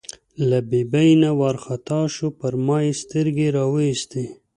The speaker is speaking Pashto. له ببۍ نه وار خطا شو، پر ما یې سترګې را وایستې.